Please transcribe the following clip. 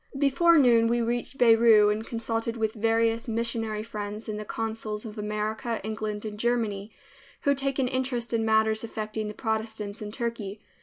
Before noon we reached Beirut and consulted with various missionary friends and the consuls of America, England and Germany, who take an interest in matters affecting the Protestants in Turkey.